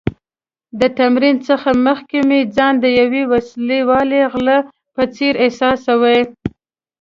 د تمرین څخه مخکې مې ځان د یو وسله وال غله په څېر احساساوه.